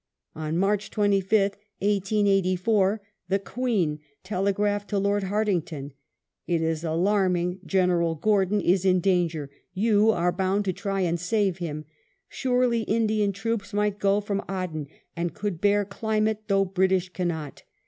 On March 25th, 1884, the Queen telegraphed to Lord Hartington :" It is alarming ; General Gordon is in danger ; you are bound to ti*y and save him. Surely Indian troops might go from Aden and could bear climate though British cannot.